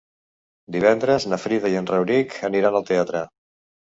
Divendres na Frida i en Rauric aniran al teatre.